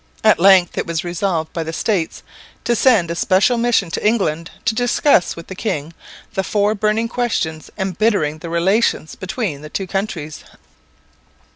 At length it was resolved by the States to send a special mission to England to discuss with the king the four burning questions embittering the relations between the two countries.